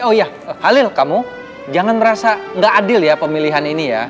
oh ya halil kamu jangan merasa gak adil ya pemilihan ini ya